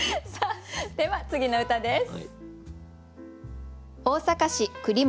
では次の歌です。